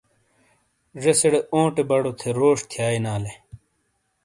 ذیسیڑےاونٹے بَڑو تھے روش تھیئا یینالے۔